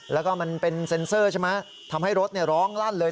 แล้วก็มันเป็นเซ็นเซอร์ใช่ไหมทำให้รถร้องลั่นเลย